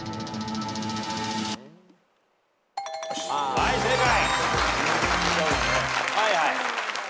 はい正解。